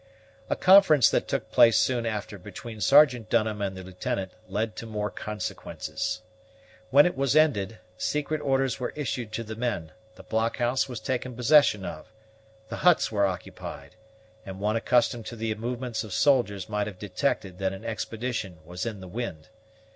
A conference that took place soon after between Sergeant Dunham and the Lieutenant led to more consequences. When it was ended, secret orders were issued to the men, the blockhouse was taken possession of, the huts were occupied, and one accustomed to the movements of soldiers might have detected that an expedition was in the wind.